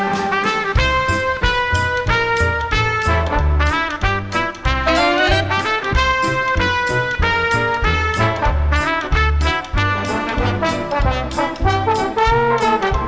สวัสดีครับสวัสดีครับ